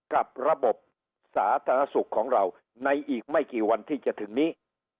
กับระบบสาธารณสุขของเราในอีกไม่กี่วันที่จะถึงนี้